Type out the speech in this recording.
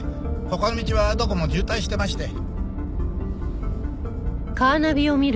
他の道はどこも渋滞してまして。